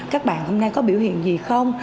các bạn hôm nay có biểu hiện gì không